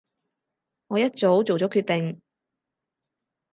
我一早做咗決定